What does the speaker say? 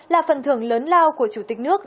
là phần thường lớn lao của chủ tịch nước